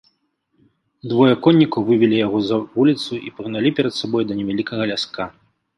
Двое коннікаў вывелі яго за вуліцу і пагналі перад сабой да невялікага ляска.